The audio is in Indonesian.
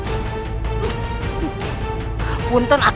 bukan kau yang melepaskan saya